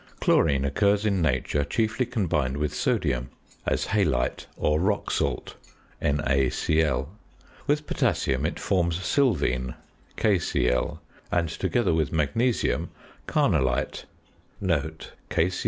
Chlorine occurs in nature chiefly combined with sodium, as halite or rock salt (NaCl). With potassium it forms sylvine (KCl), and, together with magnesium, carnallite (KCl.